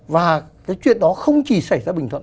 và cái chuyện đó không chỉ xảy ra bình thuận